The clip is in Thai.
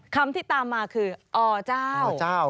คำที่ตามมาคืออเจ้า